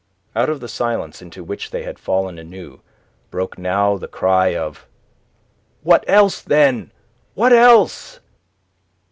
Out of the silence into which they had fallen anew broke now the cry of "What else, then? What else?"